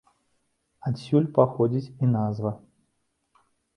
Адсюль паходзіць і назва.